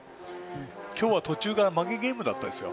今日は途中から負けゲームだったですよ。